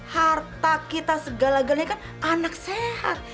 harta kita segala galanya kan anak sehat